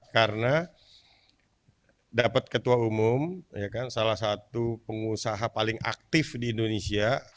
karena dapat ketua umum salah satu pengusaha paling aktif di indonesia